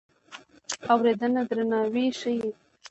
اورېدنه درناوی ښيي.